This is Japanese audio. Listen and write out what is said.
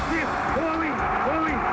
ホームイン！